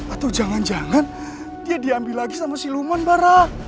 atau jangan jangan dia diambil lagi sama si luman baron